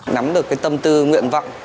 nắm được cái tâm tư nguyện vọng